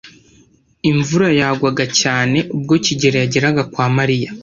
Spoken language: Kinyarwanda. Imvura yagwaga cyane ubwo kigeli yageraga kwa Mariya.